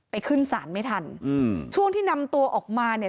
ขึ้นศาลไม่ทันอืมช่วงที่นำตัวออกมาเนี่ย